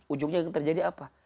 ujungnya akan terjadi apa